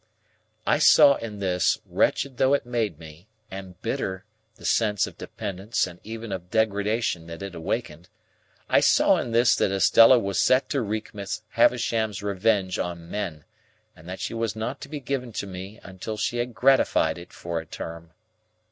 I saw in this, wretched though it made me, and bitter the sense of dependence and even of degradation that it awakened,—I saw in this that Estella was set to wreak Miss Havisham's revenge on men, and that she was not to be given to me until she had gratified it for a term.